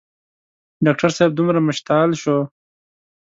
ډاکټر صاحب دومره مشتعل شو.